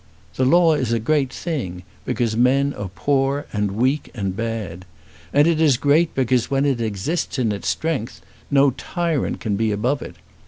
The law is a great thing, because men are poor and weak, and bad. And it is great, because where it exists in its strength, no tyrant can be above it.